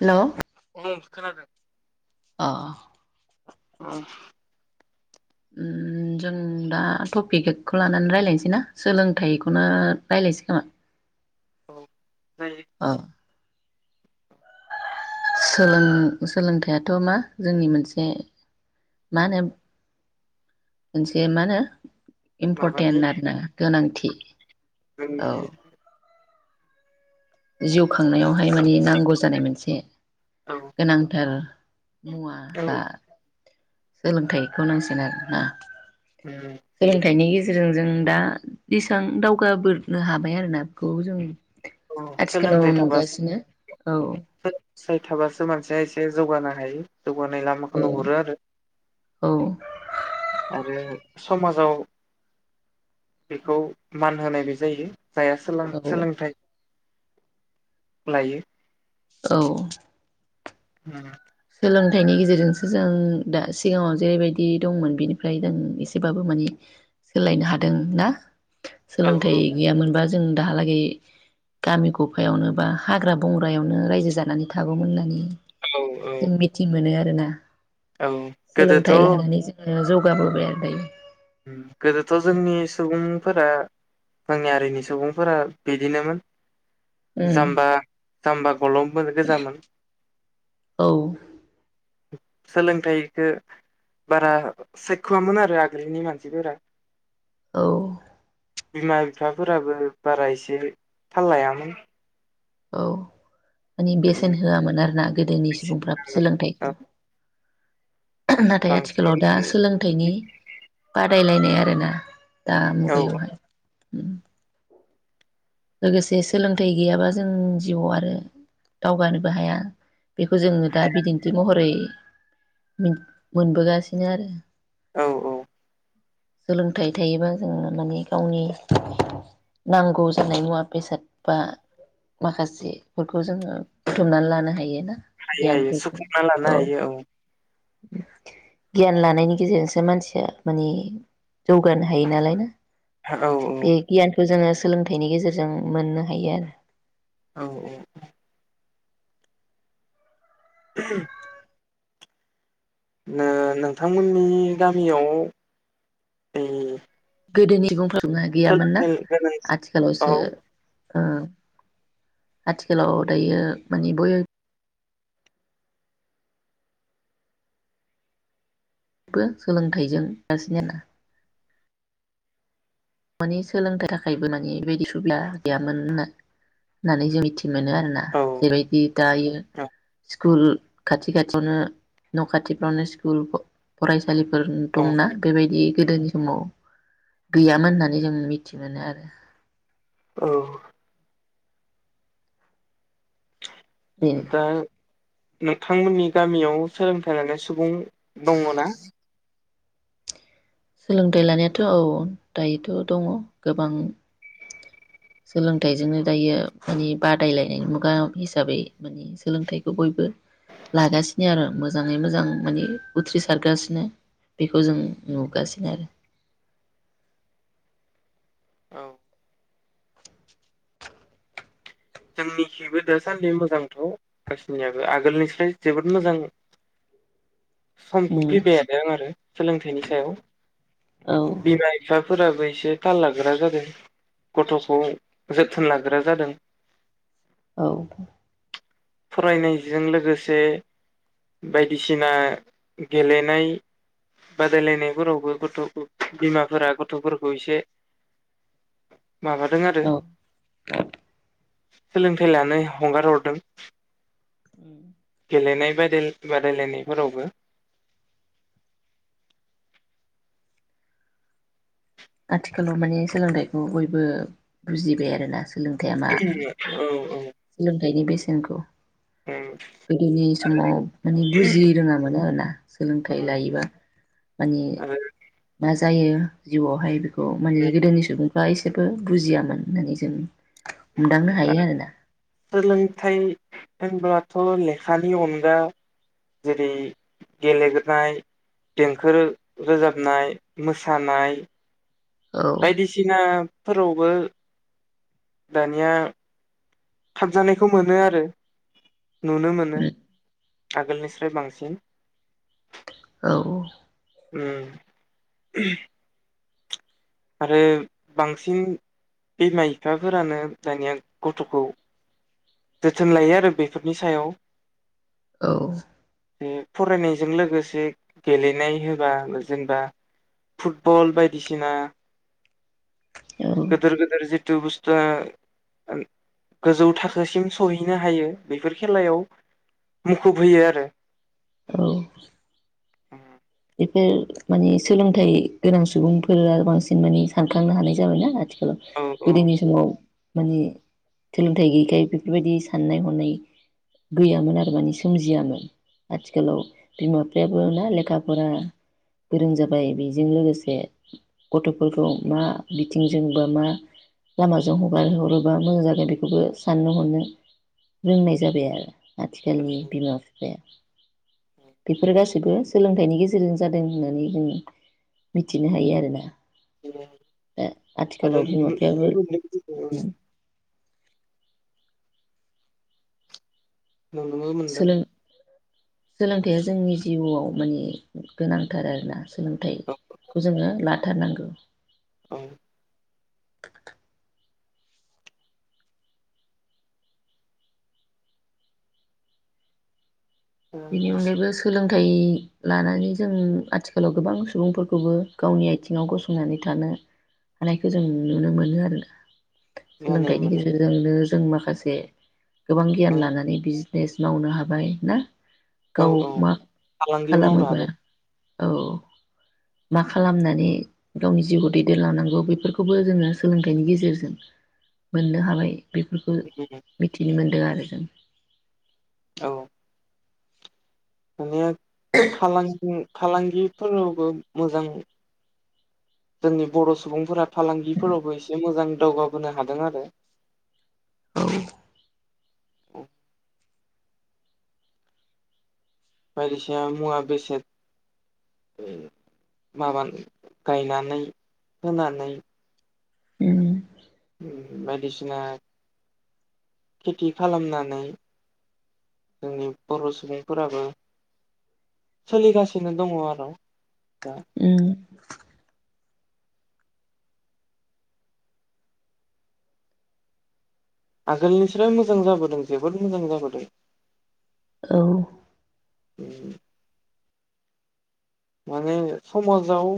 Hello बुं खोनादों अ उम उम जों दा टपिकखौ लानानै रायलायनोसैना सोलोंथाइखौनो रायज्लायनोसै खोमा। औ जायो औ सोलों सोलोंथाइयाथ' मा जोंनि मोनसे मा होनो मोनसे मा होनो इमपरटेन्ट माबानि आरो ना गोनांथि औ जोंनि जिउ खांनायावहाय माने नांगौ जानाय मोनसे औ औ गोनांथार मुवा बा सोलोंथाइखौ नांसिनो आरोना सोलोंथाइनि गेजेरजों गेजेरजों जों दा एसेबां दावगाबोरोनो हाबाय आरोना बेखौ जों औ आथिखालाव सोलोंथाइ नुगासिनो थाबासो औ सोलोंथाइ [unintelligible] थाबासो मानसिया एसे जौगानो हायो जौगानाय लामाखौ औ नुहरो आरो, औ आरो समाजाव बेखौ मान होनायबो जायो। जाया औ सोलों-सोलोंथाइ लायो औ हम सोलोंथाइनि गेजेरजोंसो जों दा सिगाङाव जेरैबायदि दंमोन बेनिफ्राय जों एसेबाबो माने सोलायनो हादों ना? सोलोंथाइ गैयामोनबा जों दाहालागै गामि गफायावनो बा हाग्रा बंग्रायावनो रायजो जानानै थागौमोन होननानै औ औ जों मिथि मोनो। आरो ना औ गोदोथ' जौगाबोबाय आरो दायो। गोदोथ' जोंनि सुबुंफोरा जोंनि हारिनि सुबुंफोरा बिदिनोमोन उम जाम्बा जाम्बा गल'फोर गोजामोन। औ सोलोंथाइखो बारा सायख'वामोन आरो आगो नि मानसिफोरा औ बिमा बिफाफोराबो बारा एसे थाल लायामोन। औ माने बेसेन होआमोन आरोना गोदोनि सुबुंफ्रा सोलोंथाइखौ नाथाय आथिखालाव दा बांसिन सोलोंथाइनि ब रायलायनाय आरोना दा औ मुगायावहाय लोगोसे सोलोंथाइ गैयाबा जों जिउआव आरो दावगानोबो हाया। बेखौ जोङो दा हाया बिदिन्थि महरै मोनबोगासिनो आरो औ औ सोलोंथाइ थायोबा जोंनो माने गावनि नांगौ जानाय मुवा बेसाद बा माखासेफोरखौ जोङो बुथुमनानै लानो हायो। ना हायो हायो गियानफोरखौ सुफुंना लानो हायो औ। गियान लानायनि गेजेरजोंसो मानसिया माने जौगानो हायो नालाय ना औ औ खौ जोङो सोलोंथाइनि गेजेरजों मोननो हायो आरो। औ औ [inaudible] ना नोंथांमोननि गामियाव उम गोदोनि [unintelligible] जु गैयामोन ना गोनां औ आथिखालावसो ओ आथिखालाव दायो माने बय बबो सोलोंथाइजों [unintelligible] माने सोलोंनो थाखायबो माने बेबायदि सुबिदा गैयामोन होनना होननानै जों मिथियो। मोनो आरोना औ जेरैबायदि दायो स्कुल खाथि खाथियावनो न' खाथिफ्रावनो स्कुल फराय फालिफोर औ दंना बेबायदि गोदोनि समाव गैयामोन होननानै नानै जों मिथि मोनो आरो। औ बेनो दा नोंथांमोननि गामियाव सोलोंथाइ लानाय सुबुं दङ ना? सोलोंथाइ लानायाथ' औ दायोथ' दङ गोबां। सोलोंथाइजोंनो दायो माने बादायलायनायनि मुगा हिसाबै माने सोलोंथाइखौ बयबो लागासिनो आरो मोजाङै मोजां माने उथ्रिसारगासिनो बेखौ जों नुगासिनो आरो औ जोंनिखिबो दासान्दि मोजांथ' गासिनियाबो आगोलनिफ्राय जोबोद मोजां उम [unintelligible] आरो सोलोंथाइनि सायाव औ बिमारि साब फोराबो एसे थाल लाग्रा जादों गथ'खौ जोथोन लाग्रा जादों औ फरायनायजों लोगोसे बायदिसिना गेलेनाय बादायलायनायफोरावबो गथ' बिमाफोरा गथ'फोरखौ एसे माबादों आरो औ सोलोंथाइ लानो हंगार हरदों। [inaudible] गेलेनाय बादाय बादायलायनायफोरावबो आथिखालाव माने सोलोंथाइखौ बयबो बुजिबाय आरोना सोलोंथा मा औ गायनि बेसेनखौ गोदोनि समाव माने बुजि रोङामोन आरोना सोलोंथाइ औ लायोबा माने आरो मा जायो जिउआवहाय बे औ माने गोदोनि सुबुं बा इसोरबो बुजियामोन होननानै जों हमदांनो हायो आरोना। सोलोंथाइ होनब्लाथ' लेखानि अनगा जेरै गेलेनाय देंखो रोजाबनाय मोसानाय औ बायदिसिना फोरावबो दानिया थाबजानायखौ मोनो आरो नुनो मोनो। आगोलनिस्राय बांसिन औ उम आरो बांसिन बिमा बिफाफोरानो दानिया गथ'खौ जोथोन लायो आरो बेफोरनि सायाव औ बे फरायनायजों लोगोसे गेलेनाय होबा जेनेबा फुटबल बायदिसिना औ गिदोर गिदिर जिथु बुस्थुआ गोजौ थाखोसिम सहैनो हायो बेफोर खेलायाव मुखुब होयो आरो औ बेफोर माने सोलोंथाइ गोनां सुबुंफोरा बांसिन माने सानखांनो हानाय जाबायना आ औ औ गोदोनि समाव माने सोलोंथाइ गैयैखाय बेफोरबायदि साननाय हनाय गैयामोन आरो माने सोमजियामोन आथिखालाव बिमा बिफायाबो ना लेखा फोरा गोरों जाबाय बेजों लोगोसे गथ'फोरखौ मा बिथिंजों बा मा लामाजों हगार हरोबा मोजां जागोन बेखौबो साननो हरनो रोंनाय जाबाय आरो आथिखालनि बिमा बिफाया बेफोर गासैबो थाइनि गेजेरजों जादों होननानै जों मिथिनो हायो आरोना। [unintelligible] दा आरो आथिखालाव बिमा बिफायाबो [unintelligible] नुनोबो मोनदों सोलों सोलोंथाइया जोंनि जिउआव माने गोनांथार आरोना औ सोलोंथाइखौ जोङो लाथारनांगौ औ [unintelligible] बिनि अनगायैबो सोलों थाइ लानानै जों आथिखालाव गोबां सुबुंफोरखौबो गावनि आथिङाव गसंनानै थानो हानायखौ जों नुनो मोनो आरोना मोनो सोलोंथाइनि मोनो गेजेरजोंनो जों माखासे गोबां गियान औ लानानै बिजा लेस मावनो हाबाय ना औ गाव औ मा फालांगि मावनो खालामोबा औ मा खालामनानै गावनि जिउखौ दैदेनलांनांगौ बेफोरखौबो जोङो सोलोंथाइनि गेजेरजों मोननो हाबाय बेफोरखौ हाबाय मिथिनो मोन्दों आरो गोजोन औ दानिया फालांगि फालांगिफोरावबो मोजां जोंनि बर' सुबुंफोरा फालांगिफोरावबो एसे मोजां दावगाबोनो हादों आरो औ औ बायदिसिना मुवा बेसाद माबा गायनानै होनानै उम बायदिसिना खेथि खालामनानै जोंनि बर' सुबुंफोराबो सोलिगासिनो दङ आरो दा उम [inaudible] आगोलनिस्राय मोजां जाबोदों जोबोद मोजां जाबोदों औ उम माने समाजाव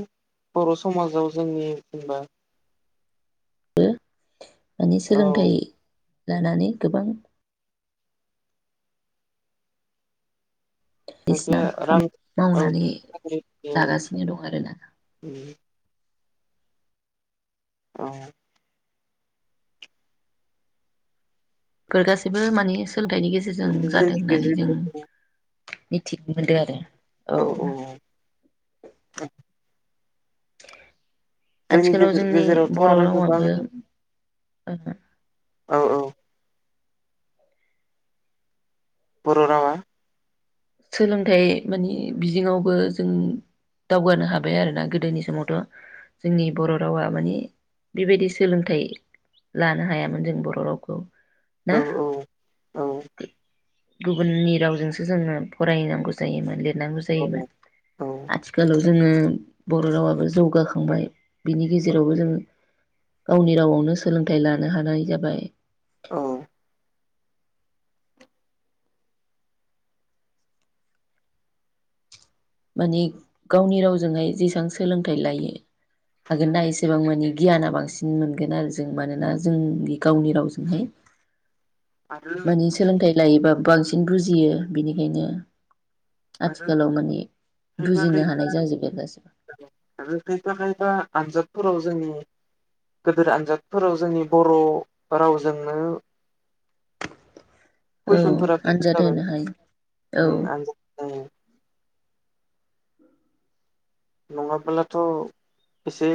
बर' समाजाव जोंनि जेनेबा माने औ सोलोंथाइ लानानै गोबां बायदिसिना खायफाया रां खामानि औ मावनानै औ जागासिनो दं आरो ना औ फोरफोर गासिबो माने सो सोलोंथाइनि गेजेरजों जादों जोंनि होननानै जों गेजेराव मिथिनो मोनदों आरो औ औ जोंनि आथिखालाव गेजेरावथ' बर' आरो गोबां रावाबो ओ औ औ बर' रावा सोलोंथाइ मानिे बिदिङावबो जों दावगानो हाबाय आरोना गोदोनि समावथ' जोंनि बर' रावा मानिे बेबायदि सोलोंथाइ लानो हायामोन जों बर' रावखौ ना औ औ औ गुबुननि रावजोंसो जोङो फरायनांगौ जायोमोन लिर नांगौ जायोमोन औ आथिखालाव जोङो बर' रावाबो जौगाखांबाय बिनि गेजेरावबो जों गावनि रावआवनो सोलोंथाइ लानो हानाय जाबाय। औ माने गावनि रावजोंहाय जेसेबां सोलोंथाइ लायो हागोन ना एसेबां माने गियाना बांसिन मोनगोन आरो जों मानोना जोंनि गावनि रावजोंहाय आरो माने सोलोंथाइ लायोबा बांसिन बुजियो बिनिखायनो आरो आथिखालाव माने खायफा बुजिनो खायफा हानाय जाजोब्बाय गासिबो आरो खायफा खायफा आनजादफोराव जों गोदोर आनजादफोराव जोंनि बर' रावजोंनो औ कुइसनफोरा फैबानो आनजाद जाबाय होनो हायो औ। औ नङाब्लाथ' एसे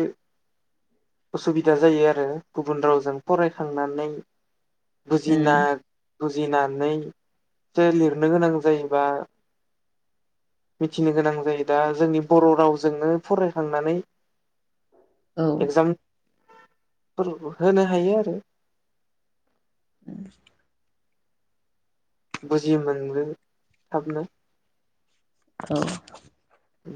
उसुबिदा जायो आरो गुबुन रावजों फरायखांनानै बुजि ना उम बुजिनानै सो लिरनो गोनां जायोबा मिथिनो गोनां जायो दा जोंनि बर' रावजों जोंनो फरायखांनानै औ एगजामफोर होनो हायो आरो [inaudible] बुजि मोननो थाबनो औ उम